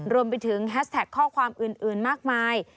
รวมไปถึงแฮสแท็กข้อความอื่นมากมาย